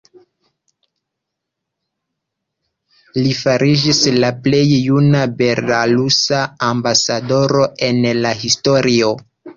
Li fariĝis la plej juna belarusa Ambasadoro en la historio.